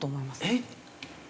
えっ？